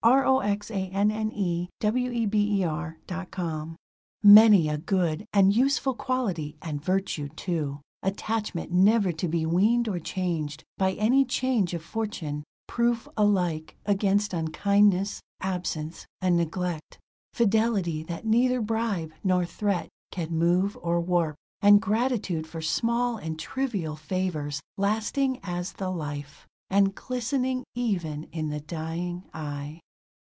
MARION HOVEY BRIGGS. A DOG'S LOYALTY Many a good And useful quality, and virtue, too. Attachment never to be weaned or changed By any change of fortune; proof alike Against unkindness, absence, and neglect; Fidelity that neither bribe nor threat Can move or warp; and gratitude for small And trivial favors lasting as the life, And glistening even in the dying eye.